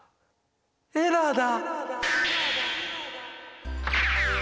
エラーだ。